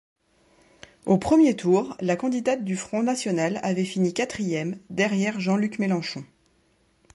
Au premier tour, la candidate du Front national avait fini quatrième, derrière Jean-Luc Mélenchon.